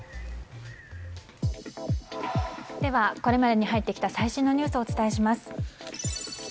では、これまでに入ってきた最新のニュースをお伝えします。